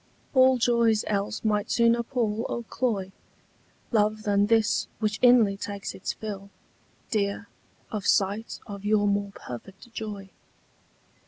All joys else might sooner pall or cloy Love than this which inly takes its fill, Dear, of sight of your more perfect joy.